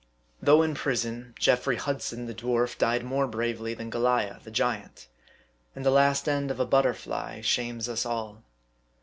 Though in prison, Geoffry Hudson, the dwarf, died more bravely than Goliah, the giant ; and the last end of a butterfly shames us all.